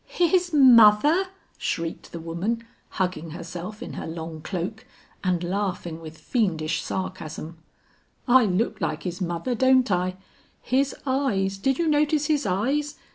"His mother!" shrieked the woman, hugging herself in her long cloak and laughing with fiendish sarcasm: "I look like his mother, don't I? His eyes did you notice his eyes?